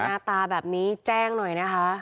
หน้าตาแบบนี้แจ้งหน่อยนะคะ